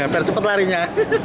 biar cepat larinya